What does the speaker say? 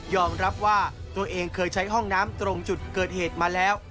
รับว่าตัวเองเคยใช้ห้องน้ำตรงจุดเกิดเหตุมาแล้ว